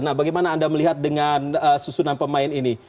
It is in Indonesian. nah bagaimana anda melihat dengan susunan pemain ini